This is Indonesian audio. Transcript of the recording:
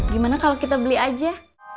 gimana kalau kita beli aja